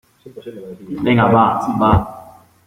venga, va , va.